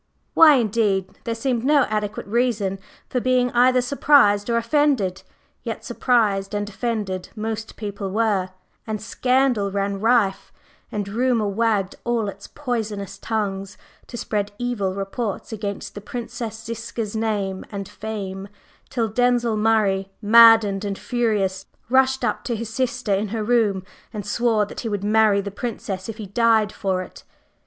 Why, indeed? There seemed no adequate reason for being either surprised or offended; yet surprised and offended most people were, and scandal ran rife, and rumor wagged all its poisonous tongues to spread evil reports against the Princess Ziska's name and fame, till Denzil Murray, maddened and furious, rushed up to his sister in her room and swore that he would marry the Princess if he died for it.